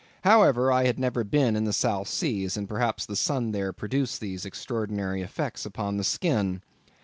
However, I had never been in the South Seas; and perhaps the sun there produced these extraordinary effects upon the skin.